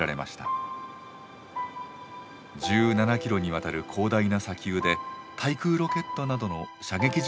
１７キロにわたる広大な砂丘で対空ロケットなどの射撃実験が行われています。